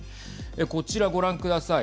こちらご覧ください。